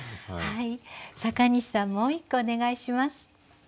はい阪西さんもう一句お願いします。